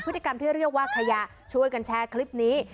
พฤติกรรมที่เรียกว่าขยะช่วยกันแชร์คลิปนี้